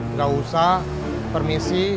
nggak usah permisi